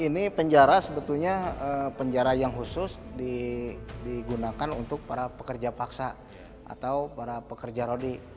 ini penjara sebetulnya penjara yang khusus digunakan untuk para pekerja paksa atau para pekerja rodi